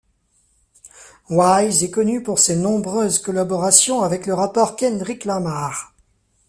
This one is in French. Wise est connue pour ses nombreuses collaborations avec le rappeur Kendrick Lamar.